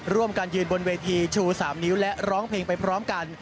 ร่วมกันยืนบนเวทีชู๓นิ้วและร้องเพลงไปพร้อมกัน